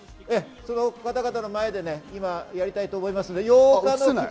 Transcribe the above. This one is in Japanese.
その方々の前で今、やりたいと思います。